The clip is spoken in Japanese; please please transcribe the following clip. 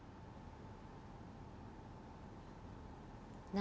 何？